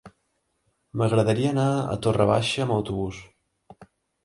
M'agradaria anar a Torre Baixa amb autobús.